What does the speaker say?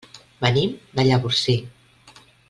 Venim de Llavorsí.